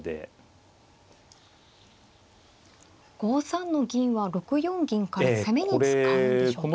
５三の銀は６四銀から攻めに使うんでしょうか。